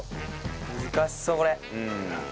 難しそうこれ。